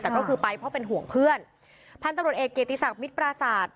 แต่ก็คือไปเพราะเป็นห่วงเพื่อนพันธุ์ตำรวจเอกเกียรติศักดิ์มิตรปราศาสตร์